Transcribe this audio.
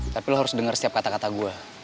tapi lo harus dengar setiap kata kata gue